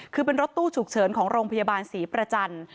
คือเป็นรถตู้ฉุกเฉินของโรงพยาบาลศรีประจันทร์